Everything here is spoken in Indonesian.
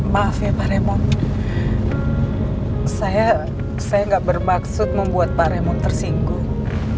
maaf ya pak raymond saya saya enggak bermaksud membuat pak raymond tersinggung